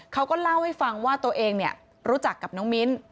เขาก็เล่าให้ฟังว่าตัวเองรู้จักกับน้องมิ้น